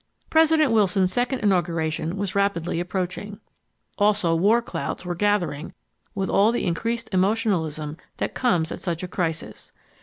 President Wilson's second inauguration was rapidly approaching. Also war clouds were gathering with all the increased emotionalism that comes at such a crisis.